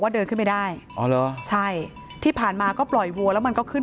เดินขึ้นไม่ได้อ๋อเหรอใช่ที่ผ่านมาก็ปล่อยวัวแล้วมันก็ขึ้น